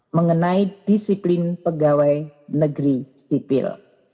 mengenai disiplin pegawai negeri sipil